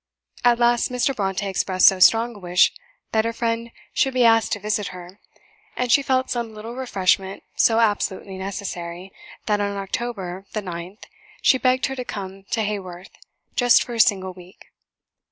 At last Mr. Brontë expressed so strong a wish that her friend should be asked to visit her, and she felt some little refreshment so absolutely necessary, that on October the 9th she begged her to come to Haworth, just for a single week.